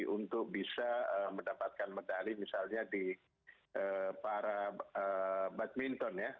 untuk bisa mendapatkan medali misalnya di para badminton ya